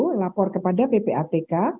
yang lapor kepada ppatk